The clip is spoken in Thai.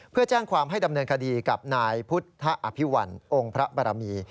เพื่อแจ้งความให้ดำเนินคดีกับนายพุทธอภิวัลองค์พระบารมี